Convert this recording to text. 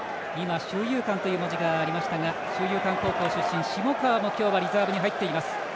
「修猷館」という文字がありましたが修猷館高校出身下川もリザーブに入っています。